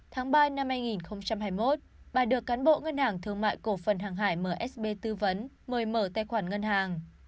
tháng ba năm hai nghìn hai mươi một bà được cán bộ ngân hàng thương mại cổ phần hàng hải msb tư vấn mời mở tài khoản ngân hàng